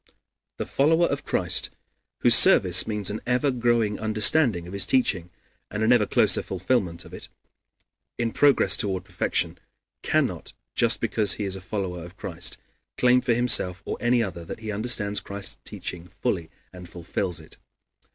The follower of Christ, whose service means an ever growing understanding of his teaching, and an ever closer fulfillment of it, in progress toward perfection, cannot, just because he is a follower, of Christ, claim for himself or any other that he understands Christ's teaching fully and fulfills it.